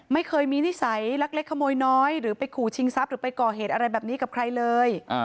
ไม่เคยมีนิสัยลักเล็กขโมยน้อยหรือไปขู่ชิงทรัพย์หรือไปก่อเหตุอะไรแบบนี้กับใครเลย